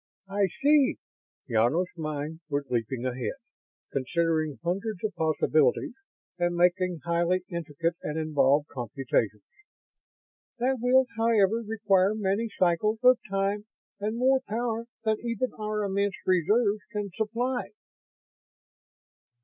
"I see." Ynos's mind was leaping ahead, considering hundreds of possibilities and making highly intricate and involved computations. "That will, however, require many cycles of time and more power than even our immense reserves can supply."